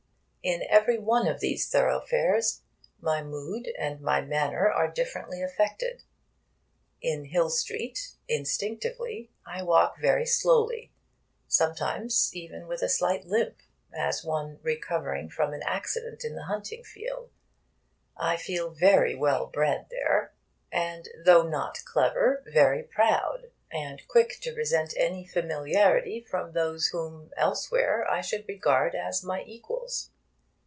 In every one of these thoroughfares my mood and my manner are differently affected. In Hill Street, instinctively, I walk very slowly sometimes, even with a slight limp, as one recovering from an accident in the hunting field. I feel very well bred there, and, though not clever, very proud, and quick to resent any familiarity from those whom elsewhere I should regard as my equals.